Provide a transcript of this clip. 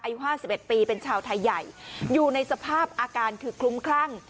ห้าสิบเอ็ดปีเป็นชาวไทยใหญ่อยู่ในสภาพอาการคือคลุ้มคลั่ง